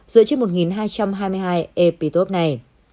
dựa trên một hai trăm hai mươi hai epop này